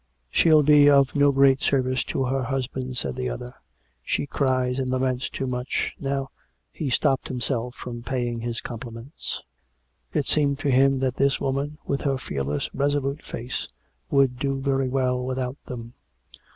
" She'll be of no great service to her husband," said the other. " She cries and laments too much. Now " He stopped himself from paying his compliments. It COME RACK! COME ROPE! 231 seemed to him that this woman, with her fearless, resolute face, would do very well without them.